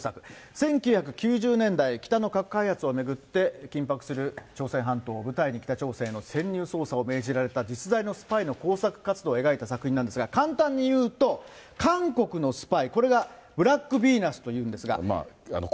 １９９０年代、北の核開発を巡って、緊迫する朝鮮半島を舞台に北朝鮮への潜入捜査を命じられた実在のスパイの工作活動を描いた作品なんですが、簡単に言うと、韓国のスパイ、これがブラックヴィーナスというんですが。